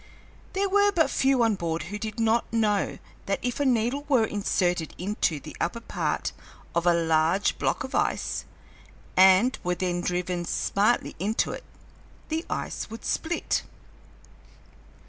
There were but few on board who did not know that if a needle were inserted into the upper part of a large block of ice, and were then driven smartly into it, the ice would split.